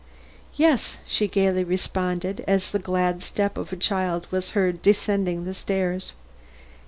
"Yes," she gaily responded, as the glad step of a child was heard descending the stairs.